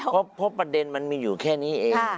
เพราะประเด็นมันมีอยู่แค่นี้เอง